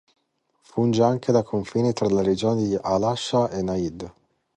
Funge anche da confine tra le regioni di Al-Asha e Najd.